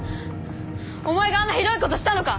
お前があんなひどいことしたのか！